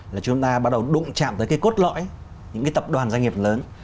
là chúng ta bắt đầu đụng chạm tới cái cốt lõi những cái tập đoàn doanh nghiệp lớn